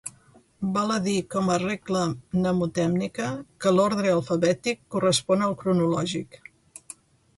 Val a dir com a regla mnemotècnica que l'ordre alfabètic correspon al cronològic.